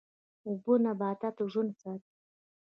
اوبه نباتات ژوندی ساتي.